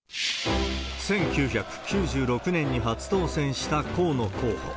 １９９６年に初当選した河野候補。